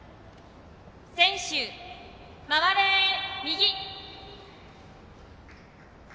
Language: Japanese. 選手、回れ右！